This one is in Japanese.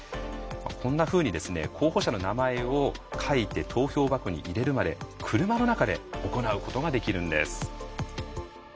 こんなふうにですね候補者の名前を書いて投票箱に入れるまで車の中で行うことができるんです。